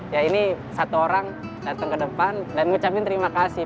ya ini satu orang datang ke depan dan ngucapin terima kasih